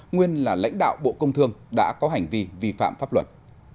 nguyên là lãnh đạo bộ công thương đã có hành vi vi phạm pháp luật